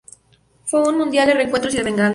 Fue un Mundial de reencuentros y de venganzas.